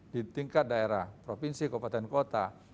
di tingkat daerah provinsi kabupaten kota